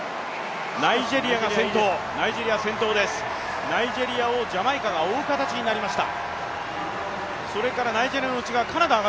ナイジェリアが先頭です、ジャマイカが追う形になりました。